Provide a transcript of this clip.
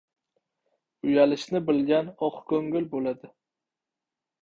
• Uyalishni bilgan oq ko‘ngil bo‘ladi.